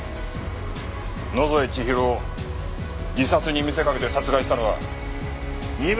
野添千尋を自殺に見せかけて殺害したのは新村